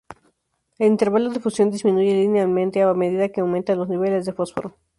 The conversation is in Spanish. El intervalo de fusión disminuye linealmente a medida que aumentan los niveles de fósforo.